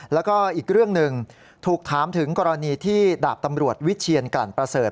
แล้วก็อีกเรื่องหนึ่งถูกถามถึงกรณีที่ดาบตำรวจวิเชียนกลั่นประเสริฐ